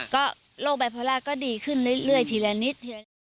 ก็โรคไบโพล่าก็ดีขึ้นเรื่อยทีละนิด